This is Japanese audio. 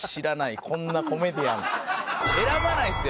選ばないですよ